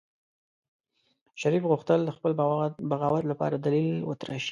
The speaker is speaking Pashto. شريف غوښتل د خپل بغاوت لپاره دليل وتراشي.